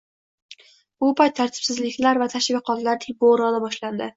Shu payt tartibsizliklar va tashviqotlarning "bo'roni" boshlandi